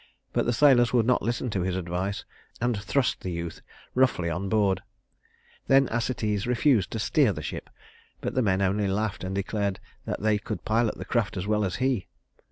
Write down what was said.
But the sailors would not listen to his advice, and thrust the youth roughly on board. Then Acetes refused to steer the ship; but the men only laughed and declared that they could pilot the craft as well as he.